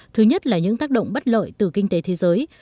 thứ nhất là những tác động bất lợi từ kinh tế thế giới